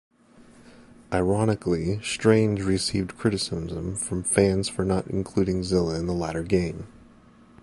Ironically, Strange received criticism from fans for not including Zilla in the latter game.